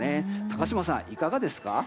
高島さん、いかがですか？